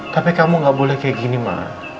tapi kamu gak boleh kayak gini mah